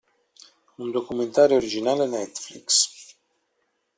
Un documentario originale Netflix.